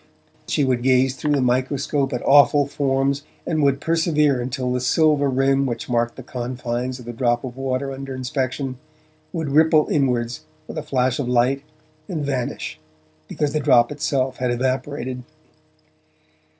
She would gaze through the microscope at awful forms, and would persevere until the silver rim which marked the confines of the drop of water under inspection would ripple inwards with a flash of light and vanish, because the drop itself had evaporated.